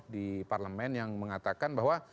di parlemen yang mengatakan bahwa